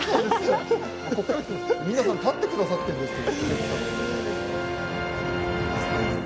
皆さん立ってくださってるんですよ。